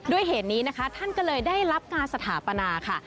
เหตุนี้นะคะท่านก็เลยได้รับการสถาปนาค่ะ